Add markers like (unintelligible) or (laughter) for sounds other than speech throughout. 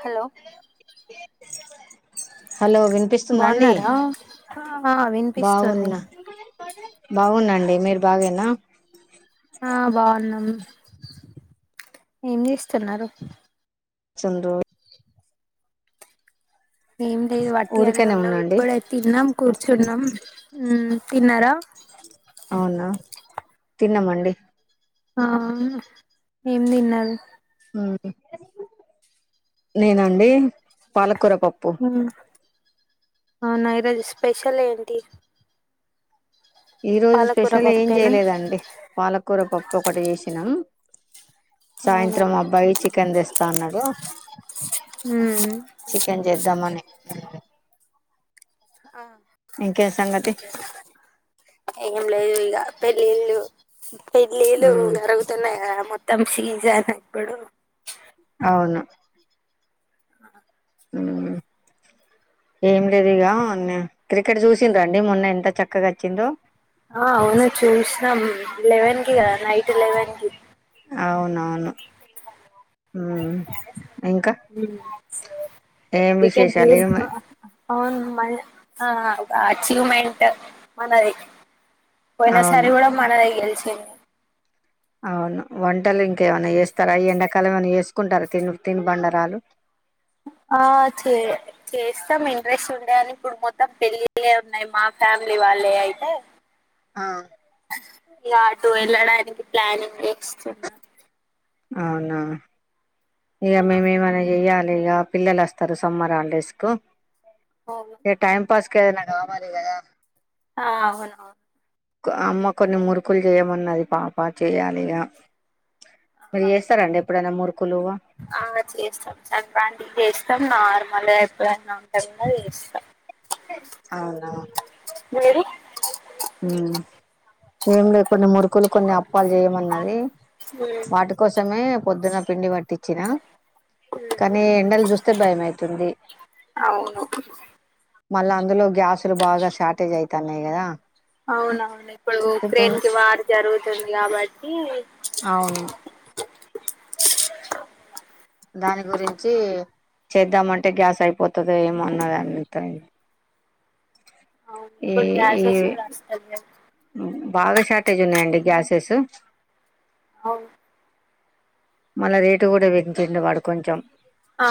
Hello hello వినిపిస్తుందా అండి బాగున్నారా ఆ వినిపిస్తుంది బాగున్నా అండి మీరు బాగేనా ఆ బాగున్నాం ఏం చేస్తున్నారు చంద్ర ఏం లేదు వట్టిగనే ఊరికనే ఉన్నాం ఉన్నాండి ఇప్పుడే తిన్నాం కూర్చున్నాం తిన్నారా అవునా తిన్నామండి ఆ ఏం తిన్నారు నేనండి పాలకుర పప్పు అవున ఈరోజు స్పెషల్ ఏంటి ఈ రోజు పాలకూర స్పెషల్ ఏం పప్పేనా చేయలేదండి పాలకూర పప్పు ఒకటి చేసినా అవునా సాయంత్రం అబ్బాయి చికెన్ తెస్తా అన్నాడు మ్మ్ చికెన్ చేద్దామని ఆ ఇంకేం సంగతి పెళ్లిలు ఇడ్లీలు ఉమ్, అరగుతునే మ (unintelligible) సీజన్ అప్పుడు అవును (inaudible) ఏం లేదు ఇక క్రికెట్ చూసిండ్ర అండి మొన్న ఎంత చక్కగా వచ్చిందో ఆ అవును చూసినాం లెవెన్ కి కదా నైట్ లెవెన్ కి అవునవును ఉమ్, ఇంకా ఏం టికెట్ విశేషాలు ఏమ తీస్కున్నావా అవును మా ఆ అచీవ్మెంట్ మనది పోయినా అవును సారి కూడా మన రైగి చ్చ అవును వంటలు ఇంకేమైన్నా చేస్తారా ఎండాకాల ఏమైనా చేసుకుంటారా తి తిను బండరాలు ఆ చే చేస్తాం ఇంట్రెస్ట్ ఉండాలి ఇప్పుడు మొత్తం పెళ్ళిళే ఉన్నాయి మా ఫ్యామిలీ వాళ్ళే అయితే ఆ (unintelligible) డానికి ప్లానింగ్ చేస్తున్నా అవునా ఏ ఆ మేమే మన చెయ్యాల గా పిల్లలు వస్తారు సమ్మర్ హాలిడేస్ కు పో ఇక టైం పాస్ ఏదైనా కావాలి కదా ఆ అవునవును అమ్మ కొన్ని మురుకులు చేయమన్నది పాప చేయాలిగా మీరు చేస్తరండి ఇప్పుడ ఆ చేస్తాం సంక్రాంతి చేస్తాం నార్మల్ మళ్ళీ ఎప్పుడైనా (unintelligible) కథ చేస్తా అవునావు మీది ఉమ్ ఏం లేదు కొన్ని మురుకులు కొన్ని అప్పాలు చేయమన్నది వాటి కోసమే పొద్దున్న పిండి వట్టించిన కానీ ఎండలు చూస్తే భయం తుంది అవును మళ్ళా అందులో గ్యాస్ ఇక్కడ బాగా షార్టేజ్ అయి తనే గదా అవునవును (inaudible) పుండు క్రెన్కి వార్ (unintelligible) జరుగుతుంది కాబట్టి అవును దాని గురించి చేద్దామంటే గ్యాస్ అయిపోతుంది ఏమోన్నద అనిత్రర ఇప్పుడు ఈ గేసేసు కూడా కూడా అస్తతలే బాగా షార్టేజ్ ఉన్నాయంండి గ్యాసెస్ అవును మళ రేటు కూడా పెంచింది వాడు కొంచెం ఆ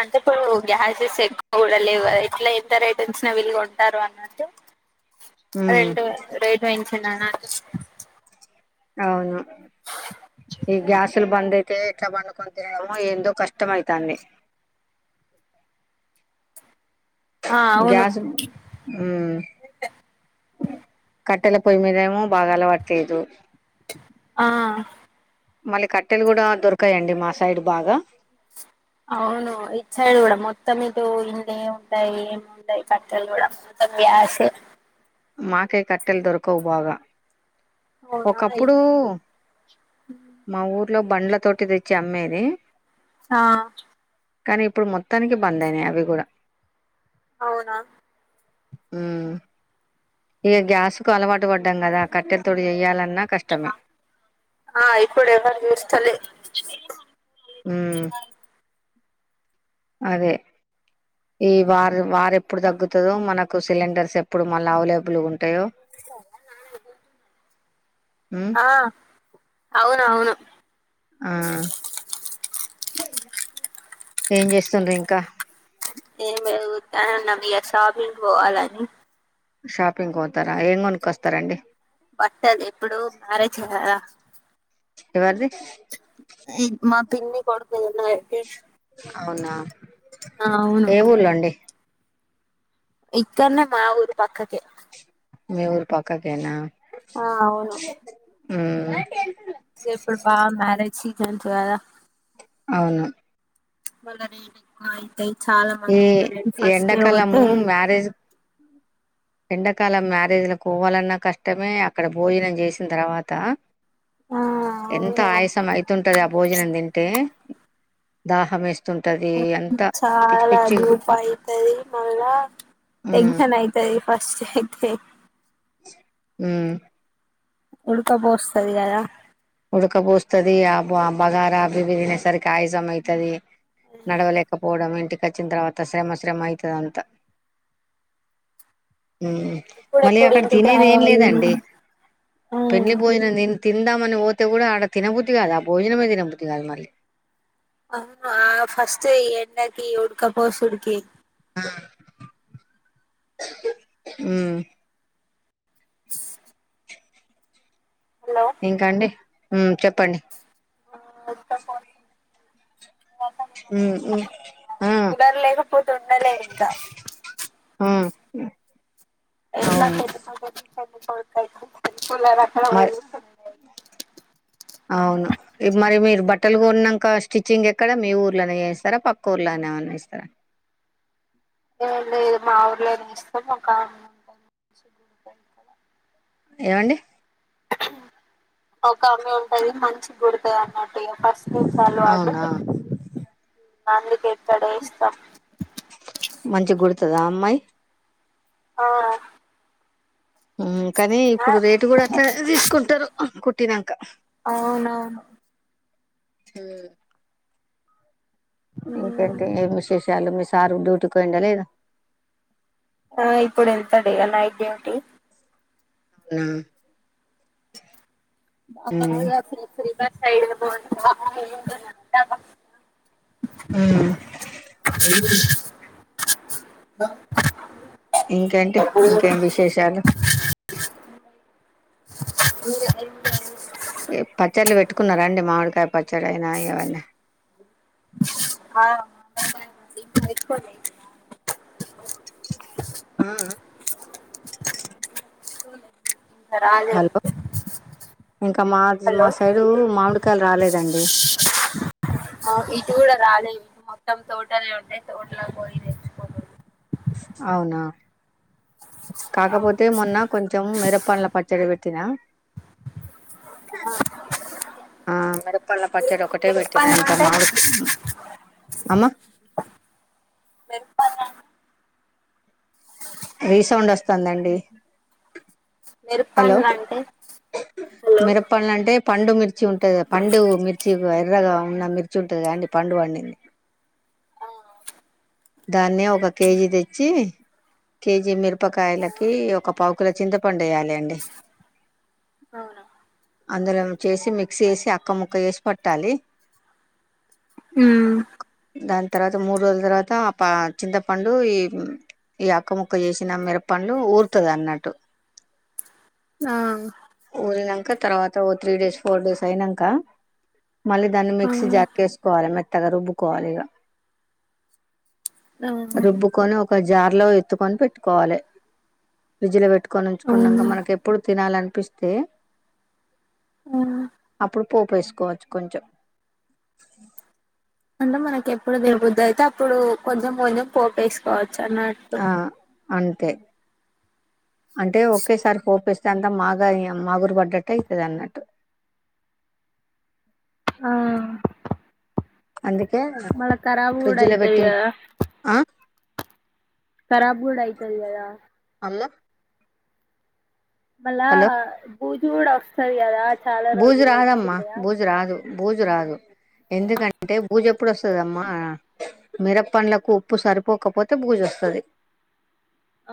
అంటే ఇప్పుడు గ్యాసెస్ ఎక్కువ కూడా లేవు ఎట్లా ఎంత రేట్ పెంచిన విలుగ కొంటారు అన్నట్టు ఉమ్ రెండు రెటు పెం అ (unintelligible) అవును ఈ గ్యాసులు బంద్ అయితే ఎట్లా పండుకొని తినడమో ఏందో కష్టమ అవుతంది ఆ అవును గ్యాస్ ఉమ్ కట్టెల పొయ్యి మీదేమో బాగా అలవాటు చేజు ఆ మళ్ళీ కట్టెలు కూడా దొరకాయండి మా సైడ్ బాగా అవును ఇది సైడ్ కూడా మొత్తం ఇటు ఇండ్ ఏ ఉంటాయి ఏమి ఉండయి కట్టెలు కూడా మొత్తం వ్యాస మాక కట్టల్ దొరక ఉ భాగా అవునా ఇ- ఒకప్పుడు మాకు ఇట్లో బండ్ల తోటి తెచ్చి అమ్మేయిది ఆ కానీ ఇప్పుడు మొత్తానికి బంద్ అయినాయి అవి కూడా అవునా హు ఇక గ్యాస్ కు అలవాటు పడ్డాం కదా కట్టెల తోటి చెయ ఆ ఇప్పుడ ఎవరు దెస్తలే మ్ అదే ఈ వా వారు ఎప్పుడు తగ్గుతుందో మనకు సిలిండర్స్ ఎప్పుడు మళ్ళ అవైలబుల్ ఉంట ట్టయో ఆ అవును అవును (unintelligible) ఆ ఏం చేస్తుండ్రు ఇంకా ఎం లేదు ఉత్తగనే ఉన్నం ఇగ షాపింగ్ పోవాలని షాపింగ్ పోతారా ఏం కొనుక్కొస్తారండి పట్టదు ఎప్పుడు మ్యారేజ్ చేసారా ఎవరిది ఈ మా పిన్ని కొడు అ (unintelligible) అవునా ఏ ఊర్లో అండి ఇక్కన్నే మా ఊరు పక్కకె మీ ఊరు పక్కకేనా ఆ అవును ఉం ఇప్పుడు బా మ్యారేజ్ ఎం స కాదా అవును బల మాయి అ చాలా మంది అంటారుడి ఈ ఫస్ట్ ఏ పోతే ఎండాకాలము మ్యారేజ్ ఎండాకాలం మ్యారేజ్లకు పోవాలన్నా కష్టమే అక్కడ భోజనం చేసిన తర్వాత ఆ ఎంత అవును ఆయాసం అయితుంటది ఆ భోజనం తింటే దాహం ఎస్తుంట చాలా ధూప అయితది మళ్ళా ఉమ్ టెన్షన్ అయితది ఫస్ట్ అయితే ఉం ఉడకపోస్తది కదా ఉడకపోస్తది ఆ బ బగారా అవి వి తినే సరికి ఆయాసం అయితది నడవలేకపోవడం ఇంటి చిన తర్వాత శ్రమ శ్రమ అయితది అంత మళ్ళీ ఇప్పుడెప్పుడు అక్కడ ఇంటికి తినేది ఏం రావాలి లేదండి పెళ్లి అవును భోజనం తిని తింద మని పో తే కూడా అడ తినబుద్ది కాదు ఆ భోజనమే తినబుద్ది కాదు మళ్ళీ అ ఫస్ట్ ఎండాకి ఉడుక పోసుడికి ఉమ్ హలో ఇంకా అండి. ఉమ్ చెప్పండి. ఆహ్ ఎంత ఫాల్స్. ఉమ్ ఉమ్ ఆ కూలర్ లేకపోతేఉండలేను ఇంకా. ఉమ్ ఎట్లా పెళ్ళికొడుకైతే. కూలర్ అక్కడ పోయి మరి కూర్చున్న నేను. అవును మరి మీరు బట్టలుకోన్నాక స్టిచ్చింగ్ ఎక్కడ మీ ఊర్లోనే చేస్తారా పక్క ఊర్లోనేమన్నాస్తారా. ఏంలేదు మా ఊర్లోనే ఇస్తాం ఒక ఏమండి. ఒక ఆమె ఉంటది మంచిగుడుతది ఆమె. ఇగ ఫస్ట్ నుంచి అలవాటు. అవునా అందుకే. ఇక్కడే ఇస్తాం. మంచి కుడుతదా ఆ అమ్మాయి. ఆహ్ కానీ ఇప్పుడు రేటు కూడా అట్లనే తీసుకుంటారు కుట్ కుట్టినంక. అవునవును. ఉమ్ ఇంకేంటి ఏం విశేషాలు. చాలు మీ సారు డ్యూటీకిపోయిండా లేదా. ఆహ్ ఇప్పుడేళ్తాడు ఇంకా నైట్ డ్యూటీ. ఉమ్ మావుళ్ళ ఫ్రీ ఫ్రీ ఫైర్. సైడ్ ఉమ్ దా ఇంకేంటి ఇంకేం విశేషాలు. ఇంకేంటి పచ్చళ్ళు పెట్టుకున్నారాండి మామిడికాయ పచ్చడి అయినా ఏవన్నా. ఆహ్ ఇంకా పెట్టుకోలే. ఆహ్ ఆహ్ ఫోను ఎత్త హలో ఇంకా మా హలో మా సైడు మామిడికాయలు రాలేదండి. ఇటు కూడా రాలేదు ఇ మొత్తం తోటలే ఉంటా తోటలా పోయి తెచ్చుకో అవునా కాకపోతే మొన్న కొంచం మరప్పన్ల పచ్చడి పెట్ తినా ఆ మిరపల్ల పచ్చడి ఒకటే మిరప పెట్టినా పండ్లు ఇంకా అంటే మామిడి కా అమ్మ మిరప రీసౌండ్ వస్తుందండి హలో మెరుపంలు అంటే హలో మిరపండ్లు అంటే పండు మిర్చి ఉంటుంది పండు మిర్చి ఎర్రగా ఉన్న మిర్చి ఉంటుంది అండి పండు పండింది దాన్న ఒక కేజీ తెచ్చి కేజీ మిరపకాయలకి ఒక పావుకిల చింతపండు వేయాలి అండి అవున అందులో చేసి మిక్స్ీ చేసి అక్క ముక్క చెసి పట్టాలి హు దాని తర్వాత మూడు రోజుల తర్వాత ఆ చింతపండు ఈ ఈ అక్క ము క్క చేసిన మిరపంలు ఊరుతది అన్నట్టు ఆ కా తర్వాత ఓ త్రీ డేస్ ఫోర్ డేస్ అయినాక మళ్ళీ దాన్ని ఆ మిక్సీ జాకేసుకోవాలి మ తగా రుబ్బుకోవాలి ఇగ ఆ రుబ్బు కొని ఒక జార్ లో ఎత్తుకొని పెట్టుకోవాలే ఫ్రీడ్జ్ లో పెట్టు ంచుకున్నాక అవును మనకి ఇప్పుడు తినాలనిపిస్తే ఆ అప్పుడు పోపు వేసుకోవచ్చు కొంచెం అంటే మనకి ఎప్పుడు దిరుబద్దు అయితే అప్పుడు కొంచెం కొంచెం పోపేసుకోవచ్చు చన్నటు ఆ అంతే అంటే ఒకేసారి హోప్ ఇస్తే అంతా మాగా మాగురు పడ్డట్టు అవుతది అన్నట్టు ఆ అందుకే మళ్ళా ఖరాబ్ కూడా ఫ్రిడ్జ్ లో అయితది పెట్టి కదా ఆ కరాబ్ కూడా అయితది కదా అమ్మ మళ్ళా హలో బుజు కూడా వస్తంది కదా చాలా బూజు రోజులు రాదమ్మా ఉంచితే బూజు అంటున్నా రాదు బూజు రాదు ఎందుకంటే బుజు ఎప్పుడోస్తదమ్మా మిరప్పండ్లకు ఉప్పు సరిపోకపోతే బుజు వస్తది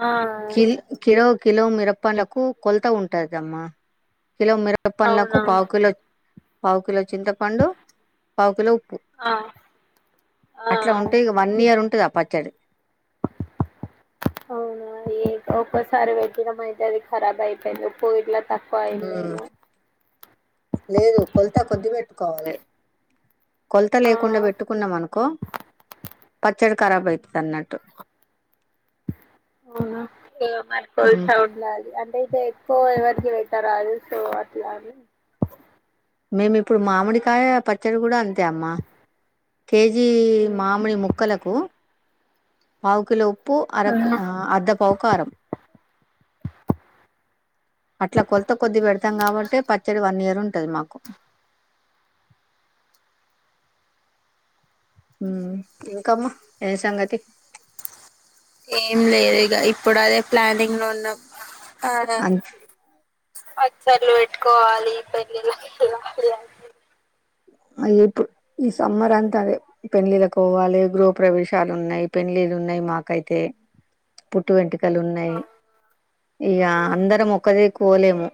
ఆ కిల్ కిలో కిలో మిరప్పనులకు కొలత ఉంటదమ్మా కిలో మిర పనలాకు అవునా పాకులో పావు కిలో చింతపండు పావు కిలో ఆ ఆ అట్లా ఉంటే వన్ ఇయర్ ఉంటుది అప్పు పచ్చడి అవునా ఏ ఒక్కోసారి వెగనం అయితే అదిఖరాబ్ అయిపోయింది పో ఇడ్లా తక్కువ ఉమ్ పలలా లేదు కొల్తా కొద్ది పెట్టుకోవాలి కొలత ఆ లేకుండా పెట్టుకున్నాం అనుకో పచ్చడి ఖరాబ్ అవుతది అన్నట్టు అవునా ఏ మర్కల్సా ఉమ్ సౌండ్ లాగా అంటే ఎక్కువ ఎవరికి పెట్టారదు సో అట్లానే మేమి ఇప్పుడు మామిడికాయ పచ్చడి కూడా అంతే అమ్మా కేజీ ఉమ్ మామిడి ముక్కలకు కు పావు కిలో పో అరకు అద్ద పోకారం అట్లా కొలత కొద్ది పెడతాం కాబట్టి పచ్చడి వన్ ఇయర్ ఉంటది మాకు ఇంకామ్మా ఏం సంగతి ఏం లేదు ఇక ఇప్పుడు అదే ప్లానింగ్ లో ఉన్నాం అదే అన్ పచ్చడులు పెట్టుకోవాలి పెళ్ళిళ్ళు పెళ్ళాం పిల్లలు అ ఇప్పుడు ఈ సమ్మర్ అంతా అదే పెళ్ళిళ్ళలకు పోవాలి గృహ ప్రవేశాలు ఉన్నాయి పెళ్ళిళ్ళ ఉన్నాయి మాకైతే పుట్టు వెంట లు ఉన్నాయి ఇక అందరం ఒకది కోలేము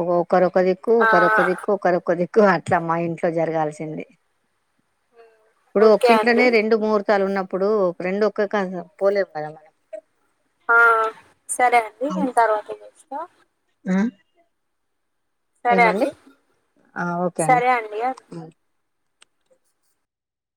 ఒకొ ఒకరు ఒక దిక్కు ఆ ఒకరకు దిక్కు ఒకరకు దిక కు అట్లా మా ఇంట్ జరగాల్సింది ఇప్పుడు ఓకే ఒకింట్లోనే అండి రెండు ముహూర్తాలు ఉన్నప్పుడు ఇప్పుడు రెండు ఒక్కే కా పోలేము కదా మనం ఆ సరే అండి నేను అవును తర్వాత చేస్తాను ఆ ఆ సరే ఏమండి అండి ఆ ఓకే అండి సరే అండియా ఉమ్